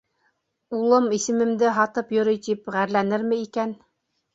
Улым исемемде һатып йөрөй тип ғәрләнерме икән?